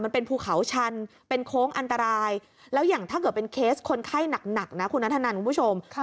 ภูเขาชันเป็นโค้งอันตรายแล้วอย่างถ้าเกิดเป็นเคสคนไข้หนักนะคุณนัทธนันคุณผู้ชม